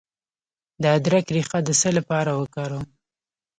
د ادرک ریښه د څه لپاره وکاروم؟